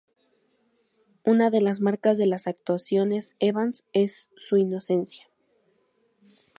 Una de las marcas de las actuaciones Evans es su inocencia.